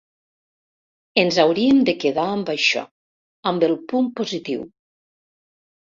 Ens hauríem de quedar amb això, amb el punt positiu.